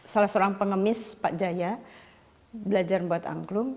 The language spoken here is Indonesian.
salah seorang pengemis pak jaya belajar membuat angklung